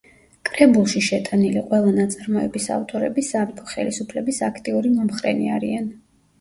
კრებულში შეტანილი ყველა ნაწარმოების ავტორები სამეფო ხელისუფლების აქტიური მომხრენი არიან.